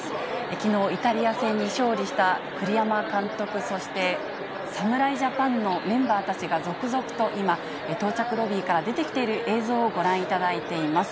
きのう、イタリア戦に勝利した栗山監督、そして侍ジャパンのメンバーたちが続々と今、到着ロビーから出てきている映像をご覧いただいています。